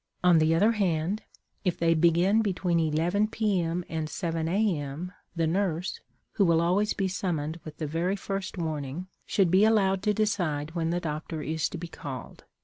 On the other hand, if they begin between 11 P.M. and 7 A.M. the nurse, who will always be summoned with the very first warning, should be allowed to decide when the doctor is to be called.